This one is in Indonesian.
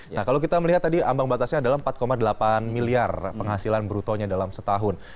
nah kalau kita melihat tadi ambang batasnya adalah empat delapan miliar penghasilan brutonya dalam setahun